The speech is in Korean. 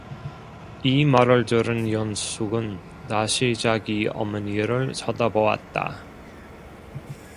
이 말을 들은 영숙은 다시 자기 어머니를 쳐다보았다.